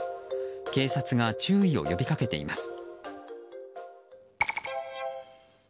警察が注意を呼び掛けています。